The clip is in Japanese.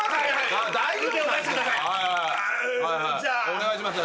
お願いします。